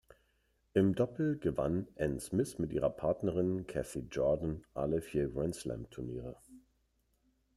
Im Doppel gewann Anne Smith mit ihrer Partnerin Kathy Jordan alle vier Grand-Slam-Turniere.